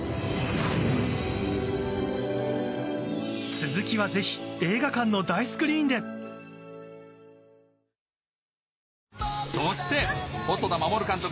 続きはぜひ映画館の大スクリーンでそして細田守監督